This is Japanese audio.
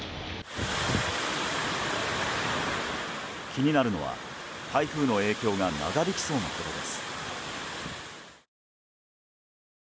気になるのは、台風の影響が長引きそうなことです。